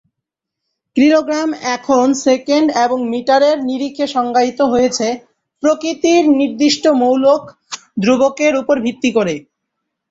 Kilogram এখন second এবং মিটারের নিরিখে সংজ্ঞায়িত হয়েছে, প্রকৃতির নির্দিষ্ট মৌলিক ধ্রুবকের উপর ভিত্তি করে।